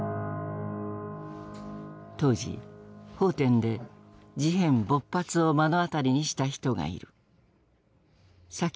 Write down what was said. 当時奉天で事変勃発を目の当たりにした人がいる。